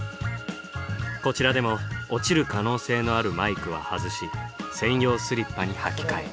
こちらでも落ちる可能性のあるマイクは外し専用スリッパに履き替え。